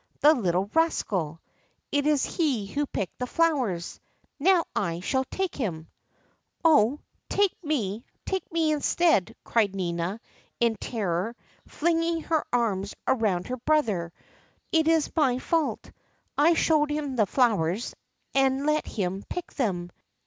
The little rascal 1 It is he who picked the flowers. Now I shall take him !" Oh ! take me, take me instead !" cried Nina in terror, flinging her arms around her brother. ^^It is 302 THE CHILDREN'S WONDER BOOK. my fault ! I showed him the flowers, and let him pick them.